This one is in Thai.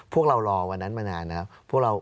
พวกเรารอวันนั้นมานานแล้ว